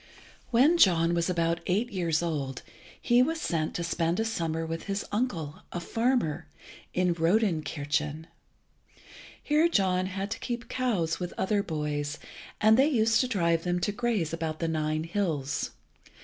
When John was about eight years old he was sent to spend a summer with his uncle, a farmer, in Rodenkirchen. Here John had to keep cows with other boys, and they used to drive them to graze about the Nine hills.